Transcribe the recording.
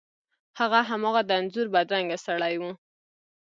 هغه هماغه د انځور بدرنګه سړی و.